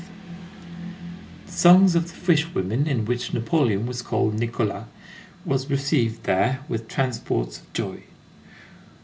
The songs of the fishwomen, in which Napoleon was called Nicolas, were received there with transports of joy.